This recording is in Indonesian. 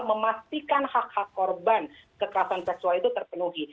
memastikan hak hak korban kekerasan seksual itu terpenuhi